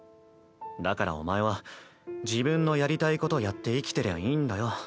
だからお前は自分のやりたいことやって生きてりゃいいんだよ。